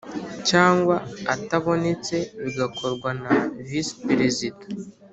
cyangwa atabonetse bigakorwa na visiperezida